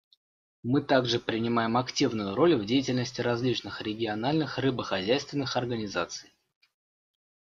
Мы также принимаем активную роль в деятельности различных региональных рыбохозяйственных организаций.